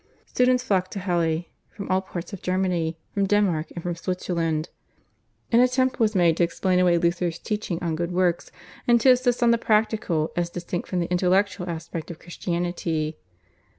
Students flocked to Halle from all parts of Germany, from Denmark, and from Switzerland. An attempt was made to explain away Luther's teaching on good works, and to insist on the practical as distinct from the intellectual aspect of Christianity.